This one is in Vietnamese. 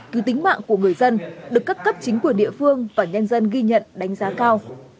cứu tính mạng của người dân được các cấp chính quyền địa phương và nhân dân ghi nhận đánh giá cao